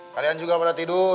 kalian juga pada tidur